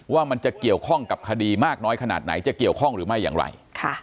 ว่าจะเกี่ยวข้องกับคดีมากน้อยขนาดไหนจะเกี่ยวข้องหรือไม่อย่างไร